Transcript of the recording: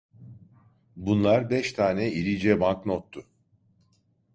Bunlar beş tane irice banknottu.